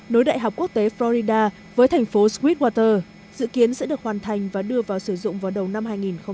nối đại học quốc tế florida với thành phố sweetwater dự kiến sẽ được hoàn thành và đưa vào sử dụng vào đầu năm hai nghìn một mươi chín